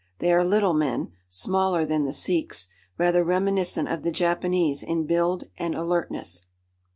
They are little men, smaller than the Sikhs, rather reminiscent of the Japanese in build and alertness.